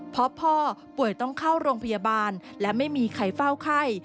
เพราะพ่อป่วยต้องเข้าโรงพยาบาลและไม่มีใครเฝ้าไข้